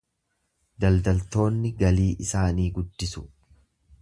Daldaltoonni galii isaanii guddisu.